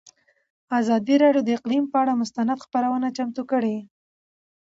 ازادي راډیو د اقلیم پر اړه مستند خپرونه چمتو کړې.